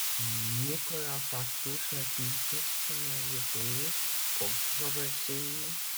Nicolas Fattouche est une personnalité controversée.